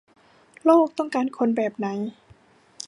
โลกต้องการคนแบบไหน